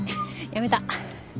やめた。